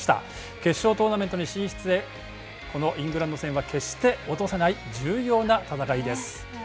決勝トーナメントに進出へ、このイングランド戦は落とせない、重要な戦いです。